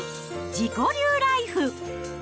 自己流ライフ。